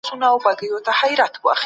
افغانان د ملي موخو لپاره یوه خوله کېږي.